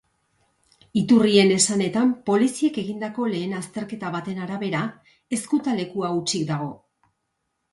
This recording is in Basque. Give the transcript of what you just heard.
Iturrien esanetan, poliziek egindako lehen azterketa baten arabera, ezkutalekua hutsik dago.